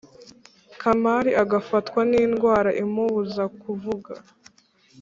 Kamali agafatwa n indwara imubuza kuvuga